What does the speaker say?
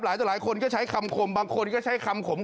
หลายตัวหลายคนก็ใช้คำขม